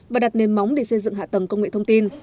và đặt nền móng để xây dựng hạ tầng công nghệ thông tin